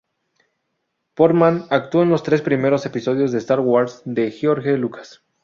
Portman actuó en los tres primeros episodios de "Star Wars", de George Lucas.